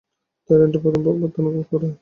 থাইল্যান্ডের প্রার্থনা কবুল হয়েছে।